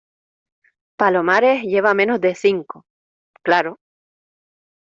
palomares lleva menos de cinco. claro .